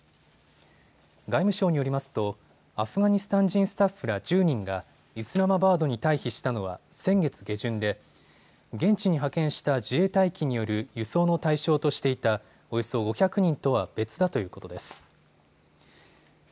外務省によりますとアフガニスタン人スタッフら１０人がイスラマバードに退避したのは先月下旬で現地に派遣した自衛隊機による輸送の対象としていたおよそ５００人とは別だということです。